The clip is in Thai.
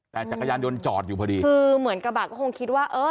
แต่จักรยานยนต์จอดอยู่พอดีคือเหมือนกระบะก็คงคิดว่าเออ